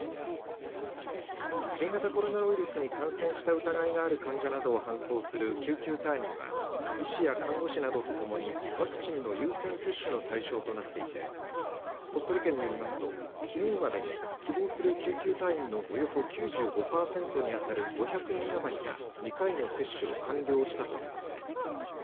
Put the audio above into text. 新型コロナウイルスに感染した疑いがある患者などを搬送する救急隊員は医師や看護師などとともにワクチンの優先接種の対象となっていて鳥取県によりますときのうまでに希望する救急隊員のおよそ９５パーセントにあたる５００人余りが２回の接種を完了したということです。